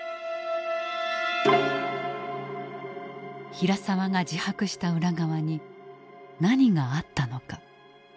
平沢が自白した裏側に何があったのか。